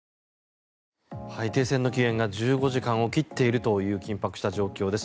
停戦の期限が１５時間を切っているという緊迫した状況です。